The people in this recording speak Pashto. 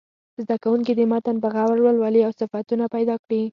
زده کوونکي دې متن په غور ولولي او صفتونه پیدا کړي.